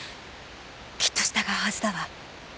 きっと従うはずだわ。